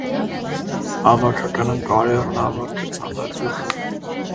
Հավաքականում կարիերան ավարտվեց անհաջող։